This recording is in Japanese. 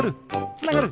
つながる！